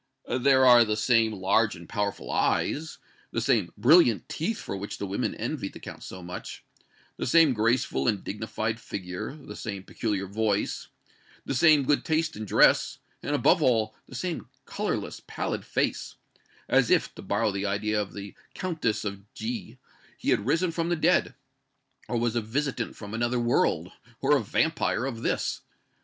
There are the same large and powerful eyes, the same brilliant teeth for which the women envied the Count so much, the same graceful and dignified figure, the same peculiar voice, the same good taste in dress, and, above all, the same colorless, pallid face, as if, to borrow the idea of the Countess of G , he had risen from the dead, or was a visitant from another world, or a vampire of this.